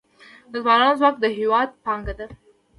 د ځوانانو ځواک د هیواد پانګه ده